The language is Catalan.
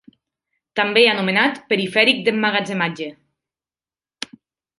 També anomenat perifèric d'emmagatzematge.